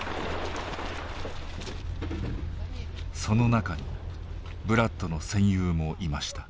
その中にブラッドの戦友もいました。